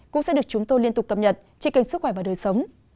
cũng sẽ được chúng tôi liên tục tập nhật trên kênh sức khỏe và đời sống